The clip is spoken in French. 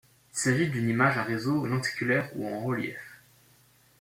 Il s'agit d'une image à réseau lenticulaire ou en relief.